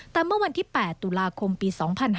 แต่เมื่อวันที่๘ตุลาคมปี๒๕๕๙